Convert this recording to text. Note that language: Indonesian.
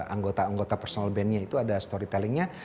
anggota anggota personal bandnya itu ada storytellingnya